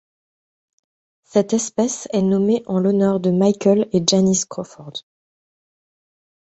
Cette espèce est nommée en l'honneur de Michael et Janice Crawford.